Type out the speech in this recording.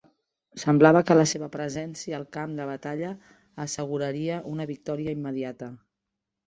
Semblava que la seva presència al camp de batalla asseguraria una victòria immediata.